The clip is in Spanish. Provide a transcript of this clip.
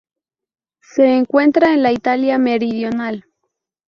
Se encuentra en la Italia meridional.